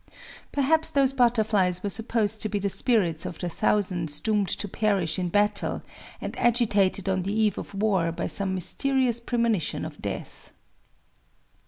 Perhaps those butterflies were supposed to be the spirits of the thousands doomed to perish in battle, and agitated on the eve of war by some mysterious premonition of death.